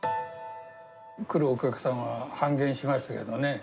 来るお客さんは半減しましたけどね。